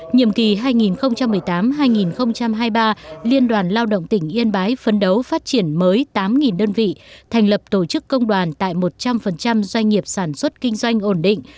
nhiệm kỳ hai nghìn một mươi tám hai nghìn hai mươi ba liên đoàn lao động tỉnh yên bái phấn đấu phát triển mới tám đơn vị thành lập tổ chức công đoàn tại một trăm linh doanh nghiệp sản xuất kinh doanh ổn định